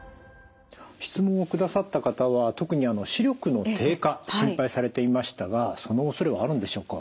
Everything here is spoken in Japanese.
質問をくださった方は特に視力の低下心配されていましたがそのおそれはあるんでしょうか？